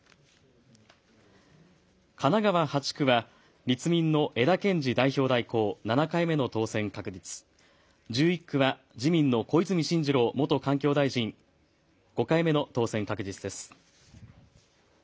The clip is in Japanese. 神奈川８地区は、立民の江田憲司代表代行、７回目の当選確実、１１区は自民の小泉進次郎元環境大臣、５回目の当選確実です。